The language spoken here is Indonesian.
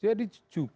saya kira tidak